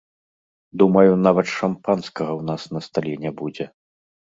Думаю, нават шампанскага ў нас на стале не будзе.